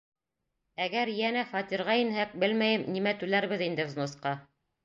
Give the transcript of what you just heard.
Әгәр йәнә фатирға инһәк, белмәйем, нимә түләрбеҙ инде взносҡа...